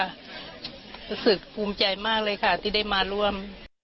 รู้สึกภูมิใจมากเลยค่ะที่ได้มาร่วม